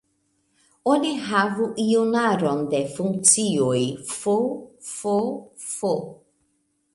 Oni havu iun aron de funkcioj "f", "f"..., "f".